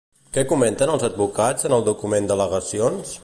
Què comenten els advocats en el document d'al·legacions?